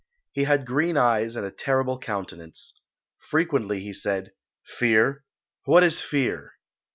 He had green eyes and a terrible countenance. Frequently he said, "Fear! What is fear?"